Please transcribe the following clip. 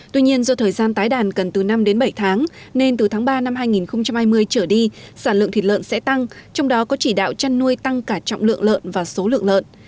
tuy nhiên do thời gian tái đàn cần từ năm đến bảy tháng nên từ tháng ba năm hai nghìn hai mươi trở đi sản lượng thịt lợn sẽ tăng trong đó có chỉ đạo chăn nuôi tăng cả trọng lượng lợn và số lượng lợn